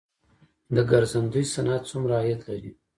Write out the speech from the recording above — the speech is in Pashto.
د ګرځندوی صنعت څومره عاید لري؟